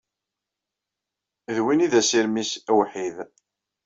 D win ay d assirem-nnes awḥid.